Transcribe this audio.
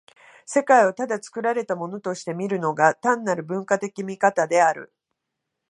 世界をただ作られたものとして見るのが、単なる文化的見方である。